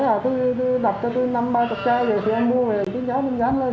tại vì em cũng đi đương bán hàng cuồng cụ lên